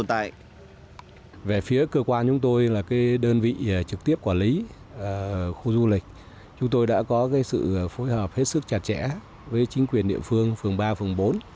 trước khi được trực tiếp quản lý khu du lịch chúng tôi đã có sự phối hợp hết sức chặt chẽ với chính quyền địa phương phường ba phường bốn